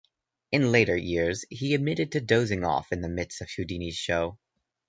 In later years, he admitted to dozing off in the midst of Houdini's show.